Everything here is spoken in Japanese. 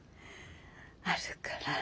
あるから。